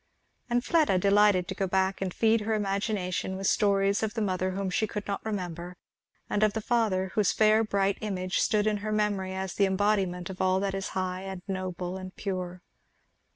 And Fleda delighted to go back and feed her imagination with stories of the mother whom she could not remember, and of the father whose fair bright image stood in her memory as the embodiment of all that is high and noble and pure.